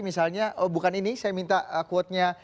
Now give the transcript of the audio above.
misalnya oh bukan ini saya minta quote nya